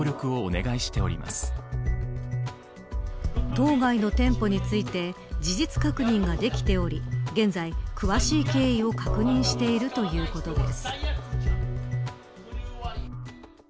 当該の店舗について事実確認ができており現在詳しい経緯を確認しているということです。